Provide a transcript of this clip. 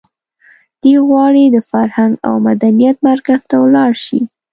دی غواړي د فرهنګ او مدنیت مرکز ته ولاړ شي.